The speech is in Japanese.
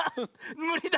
むりだ！